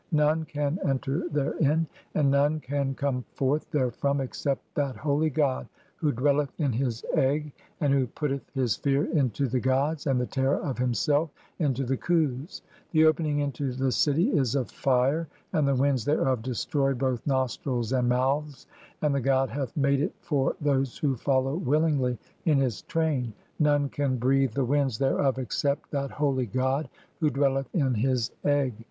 None "can enter therein, and none can come forth therefrom except "that holy god (3) who dwelleth in his egg, and who putteth "his fear into the gods and the terror of himself into the Khus. "(4) The opening [into the city] is of fire, and the winds thereof "destroy both nostrils and mouths, and the god hath made it for "those who follow willingly (5) in his train ; none can breathe "the winds [thereof] except that holy god who dwelleth in (6) "his egg.